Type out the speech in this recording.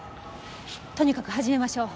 とにかく始めましょう。